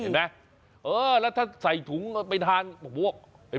เห็นไหมนะแล้วถ้าใส่ถุงไปทานเนี่ย